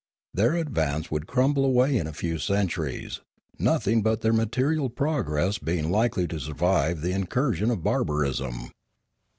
Their advance would crumble away in a few centuries, nothing but their material progress being likely to survive the incursion of barbarism.